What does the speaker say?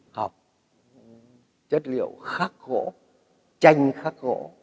học chất liệu khắc gỗ tranh khắc gỗ